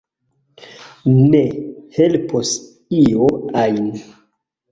Ne helpos io ajn.